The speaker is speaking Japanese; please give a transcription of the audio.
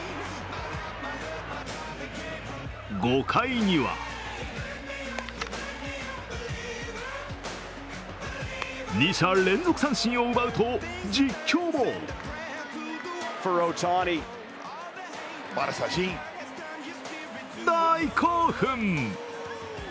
５回には２者連続三振を奪うと実況も大興奮！